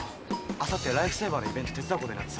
あさってライフセーバーのイベント手伝うことになってさ。